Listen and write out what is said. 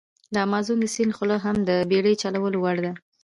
د امازون د سیند خوله هم د بېړی چلولو وړ ده.